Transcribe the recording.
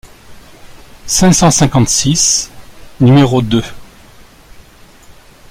cinq cent cinquante-six, nº deux).